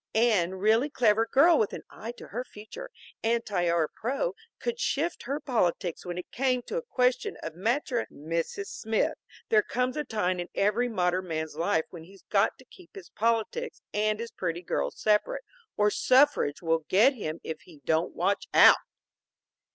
Any really clever girl with an eye to her future, anti or pro, could shift her politics when it came to a question of matri " "Mrs. Smith, there comes a time in every modern man's life when he's got to keep his politics and his pretty girls separate, or suffrage will get him if he don't watch out!"